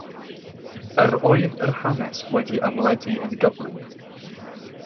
Yr oedd yr hanes wedi ymledu yn gyflym.